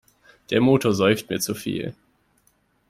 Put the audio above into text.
Der Motor säuft mir zu viel.